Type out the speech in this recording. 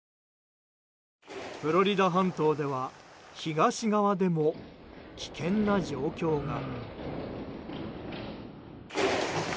フロリダ半島では東側でも危険な状況が。